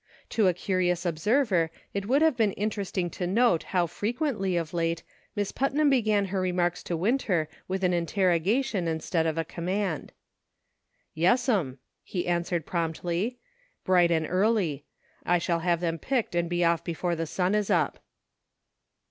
To a curious observer it would have been interest ing to note how frequently, of late. Miss Putnam began her remarks to Winter with an interrogation instead of a command. 174 "ORDERS TO MOVE. "Yes'm," he answered promptly, "bright and early ; I shall have them picked and be off before the sun is up."